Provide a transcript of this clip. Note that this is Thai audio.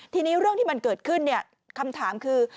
ทีนี้เรื่องที่มันเกิดขึ้นคำถามคือ